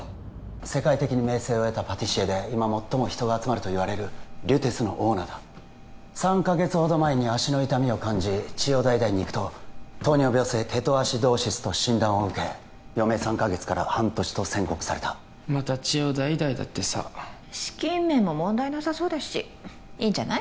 世界的に名声を得たパティシエで今最も人が集まるといわれるＬＵＴＥＣＥのオーナーだ３カ月ほど前に足の痛みを感じ千代田医大に行くと糖尿病性ケトアシドーシスと診断を受け余命３カ月から半年と宣告されたまた千代田医大だってさ資金面も問題なさそうだしいいんじゃない？